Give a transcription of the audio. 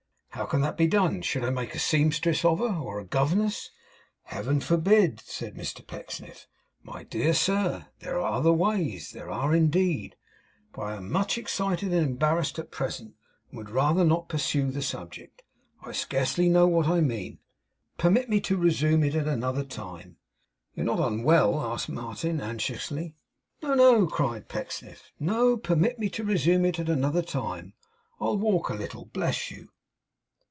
'How can that be done? Should I make a seamstress of her, or a governess?' 'Heaven forbid!' said Mr Pecksniff. 'My dear sir, there are other ways. There are indeed. But I am much excited and embarrassed at present, and would rather not pursue the subject. I scarcely know what I mean. Permit me to resume it at another time.' 'You are not unwell?' asked Martin anxiously. 'No, no!' cried Pecksniff. 'No. Permit me to resume it at another time. I'll walk a little. Bless you!